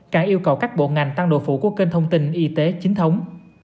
càng yêu cầu các bộ ngành tăng độ phủ của kênh thông tin y tế chính thống